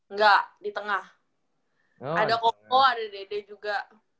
nggak di tengah ada koko ada dede juga